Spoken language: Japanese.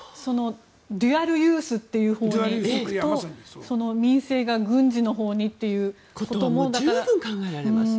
デュアルユースというほうに行くと民生が軍事のほうにということも十分考えられます。